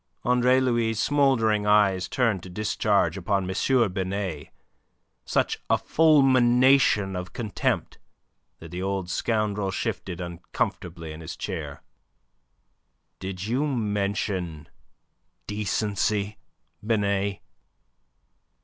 Andre Louis' smouldering eyes turned to discharge upon M. Binet such a fulmination of contempt that the old scoundrel shifted uncomfortably in his chair. "Did you mention decency, Binet?